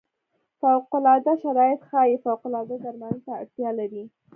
فوق العاده شرایط ښايي فوق العاده درملنې ته اړتیا لري.